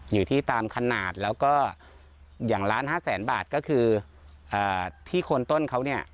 อยู่ที่ตามขนาดแล้วก็อย่างล้านห้าแสนบาทก็คือที่โคนต้นเขาเนี่ย